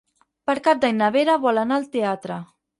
Per Cap d'Any na Vera vol anar al teatre.